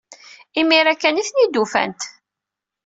Imir-a kan ay ten-id-ufant.